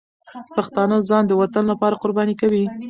پښتانه ځان د وطن لپاره قرباني کوي.